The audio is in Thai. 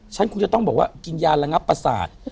ฉันคงจะต้องบอกว่ากินยาระงับประสาท